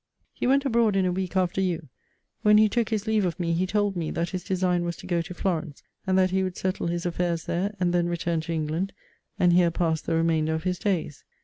He went abroad in a week after you. When he took his leave of me, he told me, that his design was to go to Florence; and that he would settle his affairs there; and then return to England, and here pass the remainder of his days.